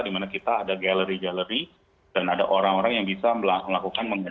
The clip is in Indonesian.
dimana kita ada gallery gallery dan ada orang orang yang bisa melakukan